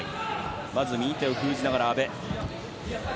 まず右手を封じながら、阿部。